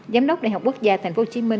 giám đốc đại học quốc gia tp hcm